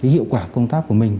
hiệu quả công tác của mình